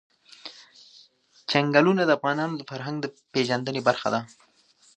چنګلونه د افغانانو د فرهنګي پیژندنې برخه ده.